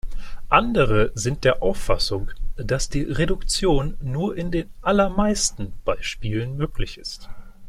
Andere sind der Auffassung, dass die Reduktion nur in den „allermeisten“ Beispielen möglich ist.